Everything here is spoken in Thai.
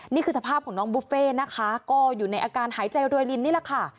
นี่คือสภาพของน้องบุฟเฟ่นะคะก็อยู่ในอาการหายใจรวยลินนี่แหละค่ะ